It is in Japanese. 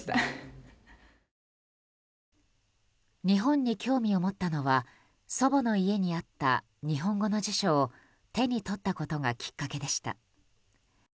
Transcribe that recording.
日本に興味を持ったのは祖母の家にあった日本語の辞書を手に取ったことがきっかけでした。